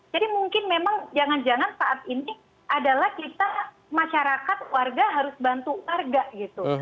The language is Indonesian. jadi mungkin memang jangan jangan saat ini adalah kita masyarakat warga harus bantu warga gitu